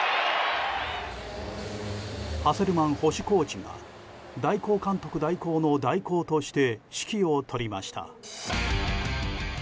ハセルマン捕手コーチが代行監督代行の代行として指揮を執りました。